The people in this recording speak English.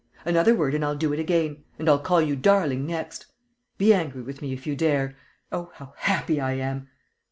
Another word and I'll do it again ... and I'll call you darling next.... Be angry with me, if you dare. Oh, how happy I am!"